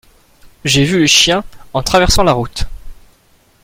J’ai vu le chien en traversant la route.